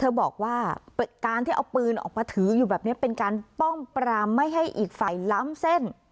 บอกว่าการที่เอาปืนออกมาถืออยู่แบบนี้เป็นการป้องปรามไม่ให้อีกฝ่ายล้ำเส้น